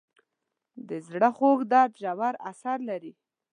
د زړه خوږ درد ژور اثر لري.